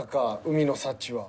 海の幸は。